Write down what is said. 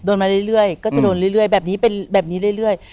มาเรื่อยก็จะโดนเรื่อยแบบนี้เป็นแบบนี้เรื่อย